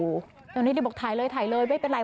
เกี่ยวนี้ส่วนที่บอกถ่ายไม่เป็นไร